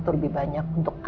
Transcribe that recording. orang tamku itu